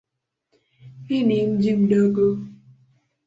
Hii ni mji mdogo.